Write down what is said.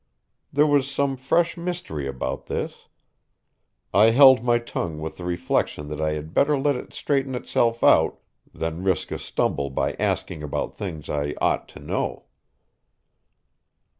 There was some fresh mystery about this. I held my tongue with the reflection that I had better let it straighten itself out than risk a stumble by asking about things I ought to know.